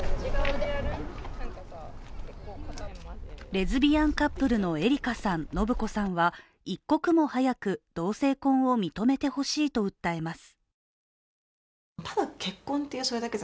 レズビアンカップルのエリカさん、信子さんは一刻も早く同性婚を認めてほしいと訴えます。